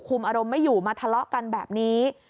อารมณ์ไม่อยู่มาทะเลาะกันแบบนี้